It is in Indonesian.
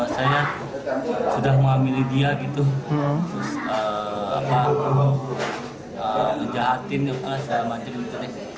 saya sudah menghamili dia gitu terus menjahatin segala macam gitu